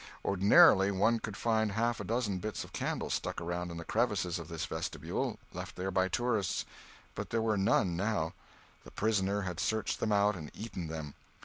Ordinarily one could find half a dozen bits of candle stuck around in the crevices of this vestibule, left there by tourists; but there were none now. The prisoner had searched them out and eaten them.